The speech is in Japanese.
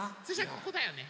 ここだよね。